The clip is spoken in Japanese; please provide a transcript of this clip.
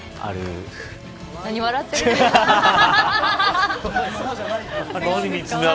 何笑ってるんですか。